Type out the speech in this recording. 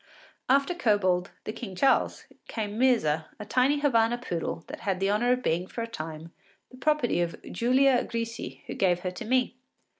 After Kobold, the King Charles, came Myrza, a tiny Havana poodle that had the honour of being for a time the property of Giulia Grisi, who gave her to me.